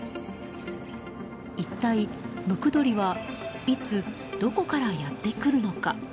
一体、ムクドリはいつどこからやってくるのか。